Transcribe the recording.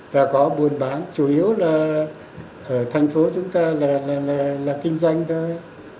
đã có buôn bán chủ yếu là thành phố chúng ta là kinh doanh thôi